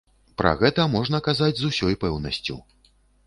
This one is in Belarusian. Пра гэта можна казаць з усёй пэўнасцю.